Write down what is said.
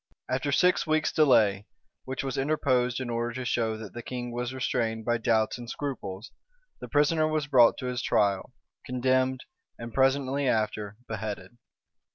} After six weeks' delay, which was interposed in order to show that the king was restrained by doubts and scruples, the prisoner was brought to his trial, condemned, and presently after beheaded.